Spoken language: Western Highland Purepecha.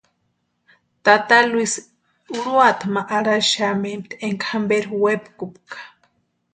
Tata Luis urhuata ma arhaxamenti énka jamperu wepkupka.